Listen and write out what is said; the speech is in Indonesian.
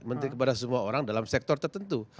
menteri kepada semua orang dalam sektor tertentu